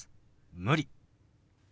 「無理」。